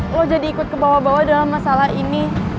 lo jadi ikut kebawa bawa dalam masalah ini